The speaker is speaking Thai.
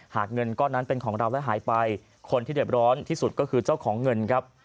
เงินก้อนนั้นเป็นของเราและหายไปคนที่เด็บร้อนที่สุดก็คือเจ้าของเงินครับ